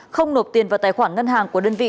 không nộp tiền vào tài khoản ngân hàng của đơn vị